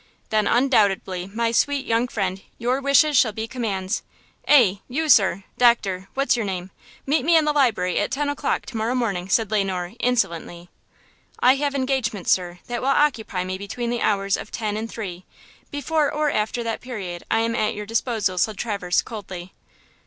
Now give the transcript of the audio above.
"Then, undoubtedly, my sweet young friend, your wishes shall be commands–Eh! you–sir! Doctor–What's your name! meet me in the library at ten o'clock to morrow morning," said Le Noir, insolently. "I have engagements, sir, that will occupy me between the hours of ten and three; before or after that period I am at your disposal," said Traverse, coldly.